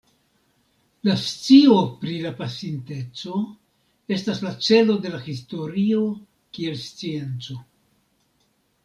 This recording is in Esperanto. La scio pri la pasinteco estas la celo de la historio kiel scienco.